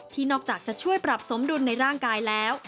นอกจากจะช่วยปรับสมดุลในร่างกายแล้ว